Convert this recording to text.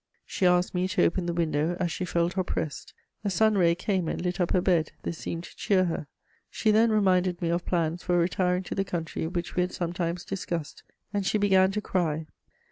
She asked me to open the window, as she felt oppressed. A sun ray came and lit up her bed: this seemed to cheer her. She then reminded me of plans for retiring to the country which we had sometimes discussed, and she began to cry.